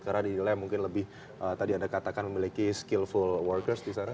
karena di nilai mungkin lebih tadi anda katakan memiliki skillful workers di sana